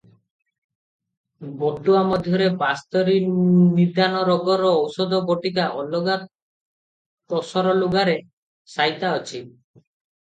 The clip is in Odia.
ବଟୁଆ ମଧ୍ୟରେ ବାସ୍ତରୀ ନିଦାନ ରୋଗର ଔଷଧ ବଟିକା ଅଲଗା ତସର ଲୁଗାରେ ସାଇତା ଅଛି ।